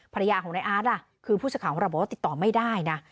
ภรรยาของนายอาร์ตล่ะคือผู้สื่อข่าวของเราบอกว่าติดต่อไม่ได้นะ